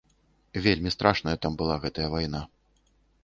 Вельмі страшная там была гэтая вайна.